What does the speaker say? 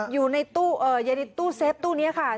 อยู่ในตู้เซฟตู้นี้ค่ะ